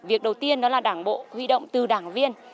việc đầu tiên đó là đảng bộ huy động từ đảng viên